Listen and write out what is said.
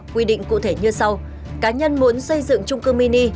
quy định cụ thể như sau cá nhân muốn xây dựng trung cư mini